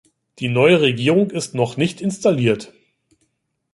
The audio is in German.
Die neue Regierung ist noch nicht installiert.